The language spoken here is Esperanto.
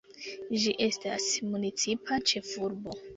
Ĝi estas municipa ĉefurbo.